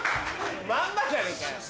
まんまじゃねえかよ！